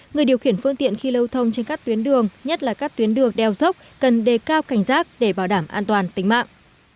người điều khiển phương tiện khi lưu thông trên các tuyến đường nhất là các tuyến đường đeo dốc cần đề cao cảnh giác để bảo đảm an toàn tính mạng